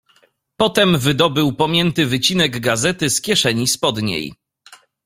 "Potem wydobył pomięty wycinek gazety z kieszeni spodniej."